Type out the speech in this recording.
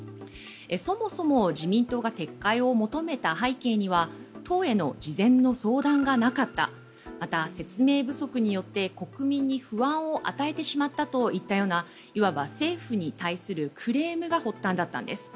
そもそも自民党が撤回を求めた背景には党への事前の相談がなかったまた、説明不足によって国民に不安を与えてしまったというようないわば政府に対するクレームが発端だったんです。